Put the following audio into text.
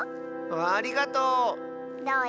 ありがとう！